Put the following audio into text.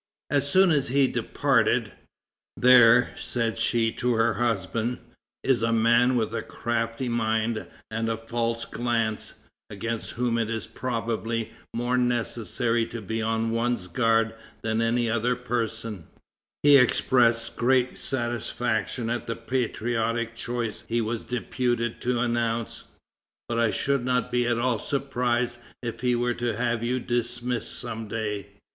As soon as he departed: "There," said she to her husband, "is a man with a crafty mind and a false glance, against whom it is probably more necessary to be on one's guard than any other person; he expressed great satisfaction at the patriotic choice he was deputed to announce; but I should not be at all surprised if he were to have you dismissed some day."